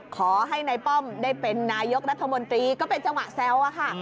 ขอให้นายป้อมได้เป็นนายกรัฐมนตรีก็เป็นจังหวะแซวอะค่ะ